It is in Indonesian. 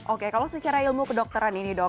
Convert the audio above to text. oke kalau secara ilmu kedokteran ini dok